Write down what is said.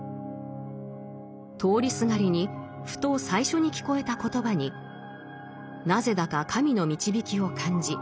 通りすがりにふと最初に聞こえた言葉になぜだか神の導きを感じ